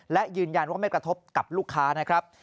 และยืนยันว่าไม่กระทบกับลูกค้านะครับ